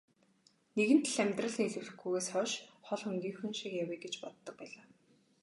Нэгэнт л амьдрал нийлүүлэхгүйгээс хойш хол хөндийхөн шиг явъя гэж боддог байлаа.